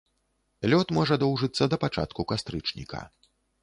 Лёт можа доўжыцца да пачатку кастрычніка.